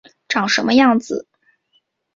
长什么样子